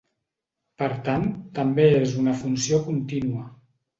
Per tant, també és una funció contínua.